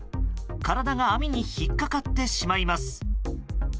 体が、網に引っかかってしまいます。